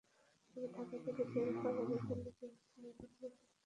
তবে ঢাকা থেকে বের হওয়া গাড়িগুলোকে বেশ নির্বিঘ্নে চলাচল করতে দেখা গেছে।